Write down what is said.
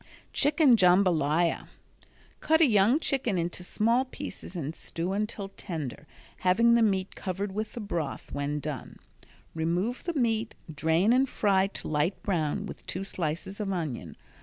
Chicken Jambalaya Cut a young chicken into small pieces and stew until tender, having the meat covered with the broth when done. Remove the meat, drain and fry to light brown with two slices of onion.